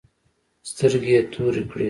سترگې يې تورې کړې.